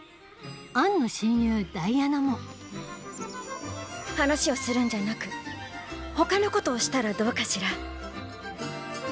アンの親友ダイアナも話をするんじゃなく他のことをしたらどうかしら？